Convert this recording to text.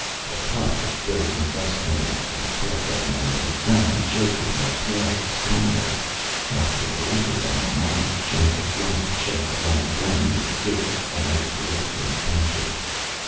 A puff of billowing dust came out and caught them and they ran choking as well as stumbling. Off to the left of them, a mighty chunk of rock chugged along the ground in jerky, almost reluctant fashion.